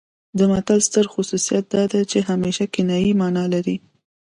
د متل ستر خصوصیت دا دی چې همیشه کنايي مانا لري